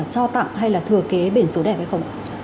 cho tặng hay là thừa kế biển số đẹp hay không